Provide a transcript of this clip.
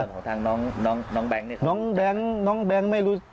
ส่วนของทางน้องแบงค์เนี่ยครับ